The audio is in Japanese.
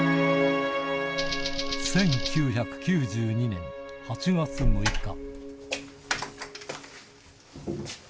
１９９２年８月６日。